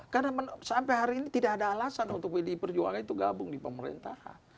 karena sampai hari ini tidak ada alasan untuk wili perjuangan itu gabung di pemerintahan